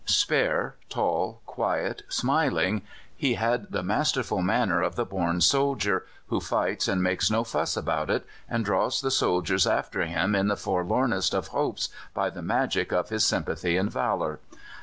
Spare, tall, quiet, smiling, he had the masterful manner of the born soldier, who fights and makes no fuss about it, and draws the soldiers after him in the forlornest of hopes by the magic of his sympathy and valour.